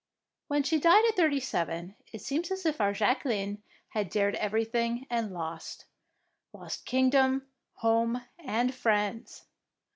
When she died at thirty seven, it seems as if our Jacqueline had dared everything and lost, — lost kingdom, home, and friends.